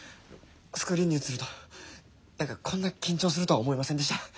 スクリーンに映ると何かこんな緊張するとは思いませんでした。